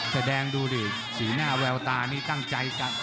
แสดงดูดิสีหน้าแววตานี่ตั้งใจกัน